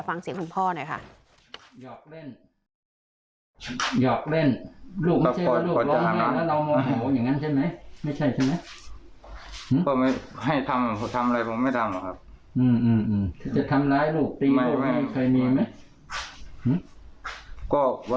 ฟังเสียงคุณพ่อหน่อยค่ะ